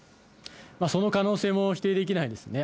その可能性も否定できないんですね。